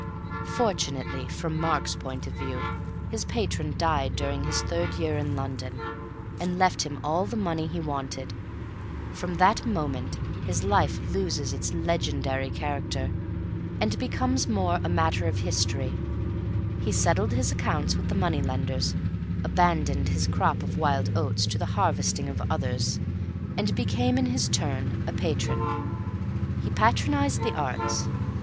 Fortunately (from Mark's point of view) his patron died during his third year in London, and left him all the money he wanted. From that moment his life loses its legendary character, and becomes more a matter of history. He settled accounts with the money lenders, abandoned his crop of wild oats to the harvesting of others, and became in his turn a patron. He patronized the Arts.